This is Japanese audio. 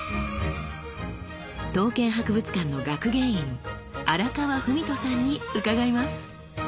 刀剣博物館の学芸員荒川史人さんに伺います。